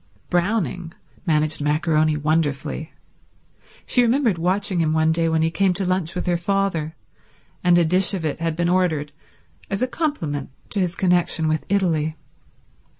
Browning managed maccaroni wonderfully. She remembered watching him one day when he came to lunch with her father, and a dish of it had been ordered as a compliment to his connection with Italy.